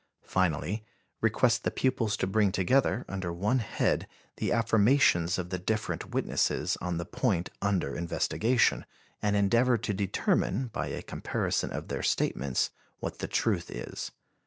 Finally, request the pupils to bring together under one head the affirmations of the different witnesses on the point under investigation and endeavor to determine by a comparison of their statements what the truth is.